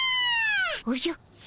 おじゃ。